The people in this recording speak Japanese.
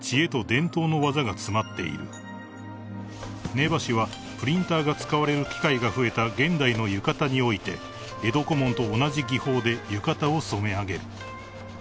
［根橋はプリンターが使われる機会が増えた現代の浴衣において江戸小紋と同じ技法で浴衣を染め上げる］